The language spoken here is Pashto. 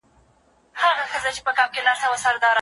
لوستې میندې د ماشومانو د بدن پاکولو عادت پیاوړی کوي.